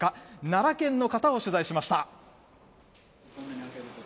奈良県の方を取材しました。